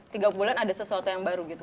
tiga bulan ada sesuatu yang baru gitu